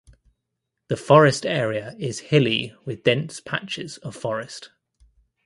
The forest area is hilly with dense patches of forest.